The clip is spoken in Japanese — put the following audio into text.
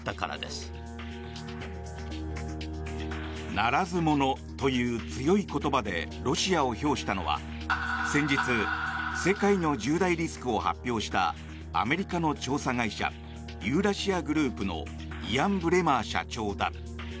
ならず者という強い言葉でロシアを評したのは先日、世界の１０大リスクを発表したアメリカの調査会社ユーラシア・グループのイアン・ブレマー社長だ。